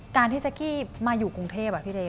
การที่เจ๊กกี้มาอยู่กรุงเทพพี่เดม